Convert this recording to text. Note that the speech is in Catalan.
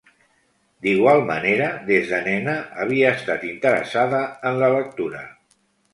D'igual manera des de nena havia estat interessada en la lectura.